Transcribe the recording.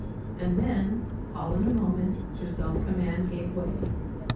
And then, all in a moment, her self command gave way.